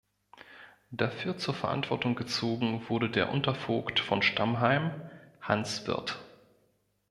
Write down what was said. Dafür zur Verantwortung gezogen wurde der Untervogt von Stammheim, Hans Wirth.